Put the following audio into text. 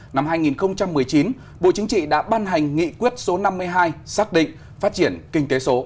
năm hai nghìn một mươi chín bộ chính trị đã ban hành nghị quyết số năm mươi hai xác định phát triển kinh tế số